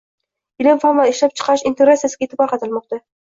Ilm-fan va ishlab chiqarish integratsiyasiga e’tibor qaratilmoqda